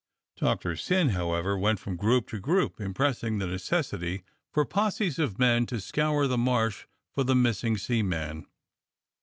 Doctor Syn, how ever, went from group to group, impressing the necessity for posses of men to scour the Marsh for the missing seaman.